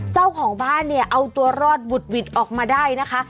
เจ้าของบ้านเนี่ยเอาตัวรอดบุดหวิดออกมาได้นะคะ